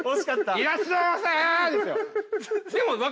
いらっしゃいませですよ。